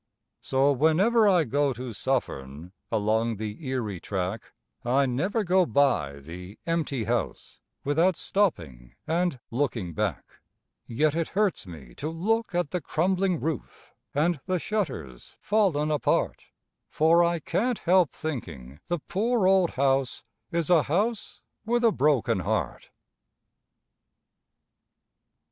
So whenever I go to Suffern along the Erie track I never go by the empty house without stopping and looking back, Yet it hurts me to look at the crumbling roof and the shutters fallen apart, For I can't help thinking the poor old house is a house with a broken heart.